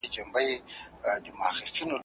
دا دریمه ده له درده چي تاویږي `